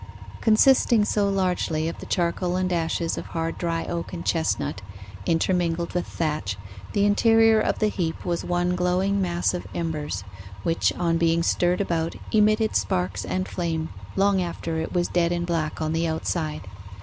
Consisting so largely of the charcoal and ashes of hard dry oak and chestnut, intermingled with thatch, the interior of the heap was one glowing mass of embers, which, on being stirred about, emitted sparks and flame long after it was dead and black on the outside.